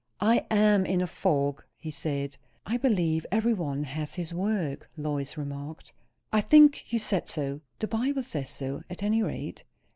"I am in a fog," he said "I believe every one has his work," Lois remarked. "I think you said so." "The Bible says so, at any rate."